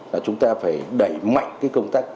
là chúng ta phải đẩy mạnh công tác